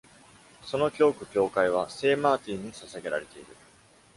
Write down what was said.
その教区教会は、聖マーティンに捧げられている。